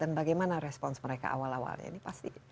dan bagaimana respons mereka awal awalnya ini pasti